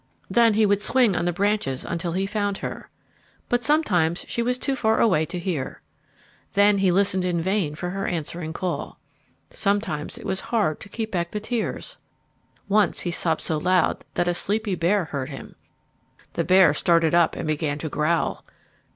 Then he would swing on the branches until he found her. But sometimes she was too far away to hear. Then he listened in vain for her answering call. Sometimes it was hard work to keep back the tears. Once he sobbed so loud that a sleepy bear heard him. The bear started up and began to growl.